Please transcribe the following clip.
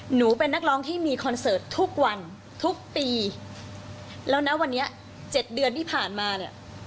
หนูเป็นนักร้องที่มีคอนเสิร์ตทุกวันทุกปีแล้วนะวันนี้เจ็ดเดือนที่ผ่านมาเนี่ย